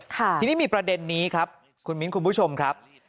ทีนี้มีประเด็นนี้ครับคุณมิ้นคุณผู้ชมครับ